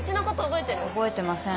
覚えてません。